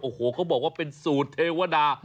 โอ้โหเขาบอกว่าเป็นสูตรเทวดา